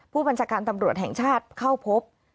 ผู้บัญชาการตำรวจแห่งชาติเข้าพบ